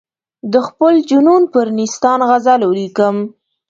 د خپل جنون پر نیستان غزل ولیکم.